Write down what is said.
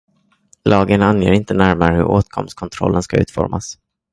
Lagen anger inte närmare hur åtkomstkontrollen ska utformas.